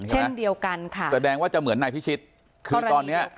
เช่นเดียวกันค่ะแสดงว่าจะเหมือนนายพิชิตคือตอนเนี้ย